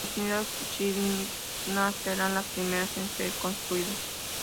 Las unidades chinas serán las primeras en ser construidas.